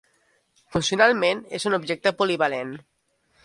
Funcionalment és un objecte polivalent.